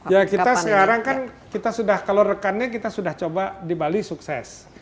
ya kita sekarang kan kita sudah kalau rekannya kita sudah coba di bali sukses